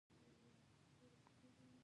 کۀ دا نۀ کوي نو